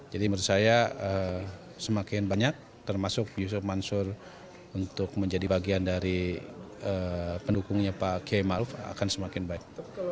jadi menurut saya semakin banyak termasuk yusuf mansur untuk menjadi bagian dari pendukungnya pak kiai maruf akan semakin baik